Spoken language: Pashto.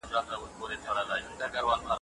له هسک شمشاده